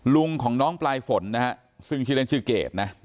ลุงของน้องปลายฝนนะฮะซึ่งชื่อเล่นชื่อเกดนะ